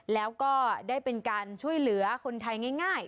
แล้วก็ได้เป็นการช่วยเหลือคนไทยง่าย